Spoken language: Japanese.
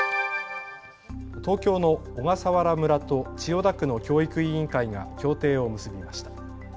東京の小笠原村と千代田区の教育委員会が協定を結びました。